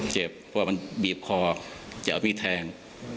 เจ็บเพราะมันบีบคอจะเอามีดแทง